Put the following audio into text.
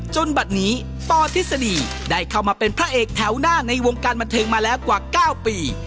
บัตรนี้ปทฤษฎีได้เข้ามาเป็นพระเอกแถวหน้าในวงการบันเทิงมาแล้วกว่า๙ปี